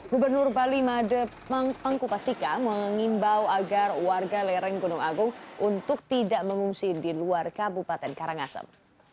gubernur bali made pangkupastika mengimbau agar warga lereng gunung agung untuk tidak mengungsi di luar kabupaten karangasem